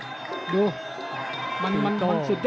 ฝ่ายทั้งเมืองนี้มันตีโต้หรืออีโต้